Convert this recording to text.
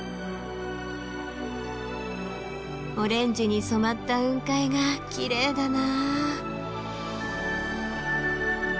オレンジに染まった雲海がきれいだな。